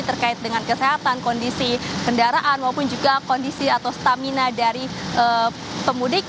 terkait dengan kesehatan kondisi kendaraan maupun juga kondisi atau stamina dari pemudik